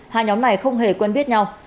hai nhóm này không hề quên biết nhau